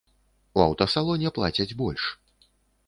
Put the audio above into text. У аўтасалоне плацяць больш.